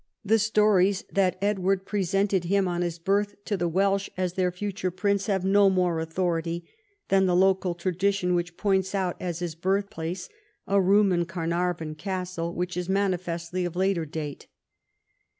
The stories that Edward pre sented him on his birth to the Welsh as their future prince have no more authority than the local tradition which points out as his birthplace a room in Carnarvon Castle, which is manifestly of later date.